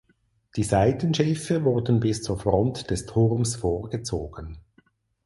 Die Seitenschiffe wurden bis zur Front des Turms vorgezogen.